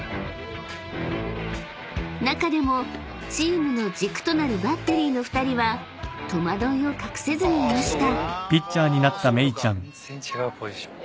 ［中でもチームの軸となるバッテリーの２人は戸惑いを隠せずにいました］